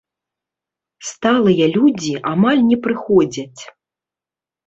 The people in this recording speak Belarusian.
Сталыя людзі амаль не прыходзяць.